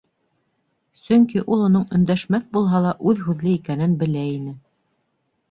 Сөнки ул уның өндәшмәҫ булһа ла, үҙ һүҙле икәнен белә ине.